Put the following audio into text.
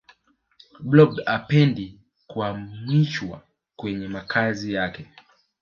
blob hapendi kuamishwa kwenye makazi yake